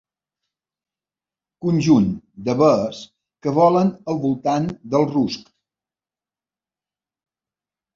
Conjunt d'abelles que volen al voltant del rusc.